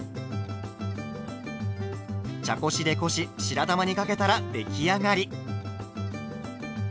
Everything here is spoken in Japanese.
茶こしでこし白玉にかけたら出来上がり。